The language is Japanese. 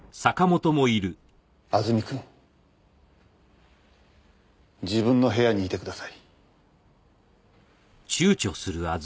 あずみくん自分の部屋にいてください。